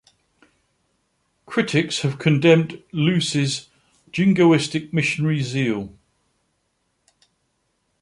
Critics have condemned Luce's jingoistic missionary zeal.